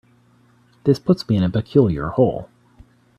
This puts me in a peculiar hole.